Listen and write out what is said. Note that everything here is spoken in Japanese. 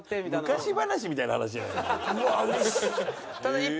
昔話みたいな話じゃない。